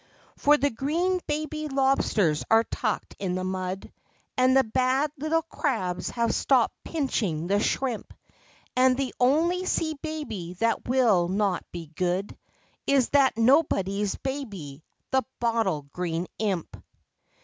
For the green baby lobsters are tucked in the mud, And the bad little crabs have stopped pinching the shrimp, And the only sea baby that will not be good Is that nobody's baby — the Bottle Green Imp.